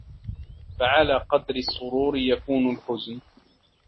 فَعَلَى قَدْرِ السُّرُورِ يَكُونُ الْحُزْنُ